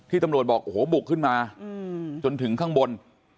ตำรวจบอกโอ้โหบุกขึ้นมาจนถึงข้างบน